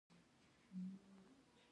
کېله د پخلي لپاره هم کارېږي.